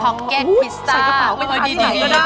พอกเก็ตพิซซ่าใส่กระเป๋าไปทันทีใส่ก็ได้